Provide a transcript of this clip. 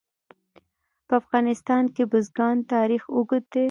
په افغانستان کې د بزګان تاریخ اوږد دی.